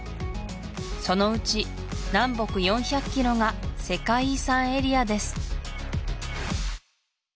そのうち南北４００キロが世界遺産エリアです